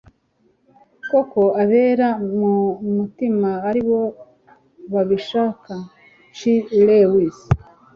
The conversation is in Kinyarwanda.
kuko abera mu mutima ari bo babishaka - c s lewis